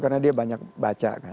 karena dia banyak baca kan